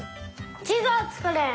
ちずをつくる！